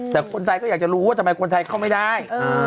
แต่คนไทยก็อยากจะรู้ว่าทำไมคนไทยเข้าไม่ได้